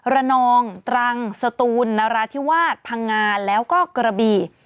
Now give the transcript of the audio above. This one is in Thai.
ระนองตรังสตูนนราธิวาสพังงาแล้วก็กระบี่